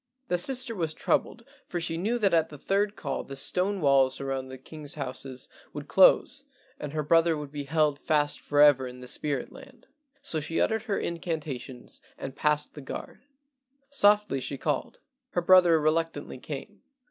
The sister was troubled, for she knew that at the third call the stone walls around the king's houses would close and her brother would be held fast forever in the spirit land, so she uttered her incantations and passed the guard. Softly she called. Her brother reluctantly came.